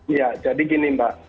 iya jadi gini mbak